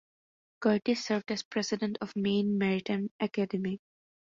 Curtis served as President of Maine Maritime Academy.